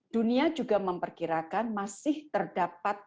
dunia juga memperkirakan masih terdapat